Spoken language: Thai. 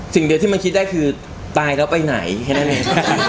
สิ่งเดียวที่มันคิดได้คือตายแล้วไปไหนแค่นั้นเอง